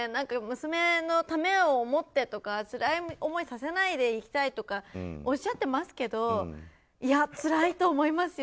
娘のためを思ってとかつらい思いをさせないでいきたいとかおっしゃっていますけどいや、つらいと思いますよ。